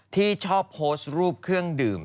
ที่ชอบโพสต์รูปเครื่องดื่ม